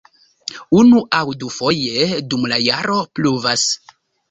Unu- aŭ dufoje dum la jaro pluvas.